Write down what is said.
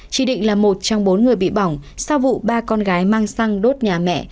chỉ định là một trong bốn người bị bỏng sau vụ ba con gái mang xăng đốt nhà mẹ